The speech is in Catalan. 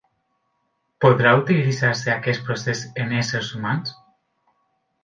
Podrà utilitzar-se aquest procés en éssers humans?